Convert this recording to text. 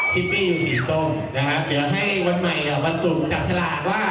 ปิ้งสีส้มนะครับเดี๋ยวให้วันใหม่วันศุกร์จับฉลากว่า